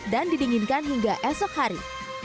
dan didinginkan hingga esok hari